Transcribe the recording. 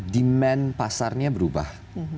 demand pasarnya berubah